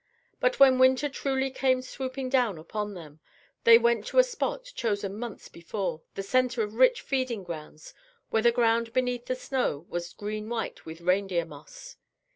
But when winter truly came swooping down upon them, they went to a spot chosen months before, the center of rich feeding grounds where the ground beneath the snow was green white with "reindeer moss."